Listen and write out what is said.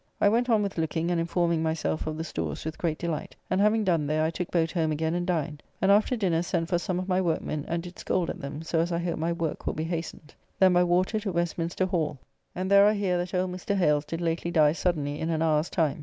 I went on with looking and informing myself of the stores with great delight, and having done there, I took boat home again and dined, and after dinner sent for some of my workmen and did scold at them so as I hope my work will be hastened. Then by water to Westminster Hall, and there I hear that old Mr. Hales did lately die suddenly in an hour's time.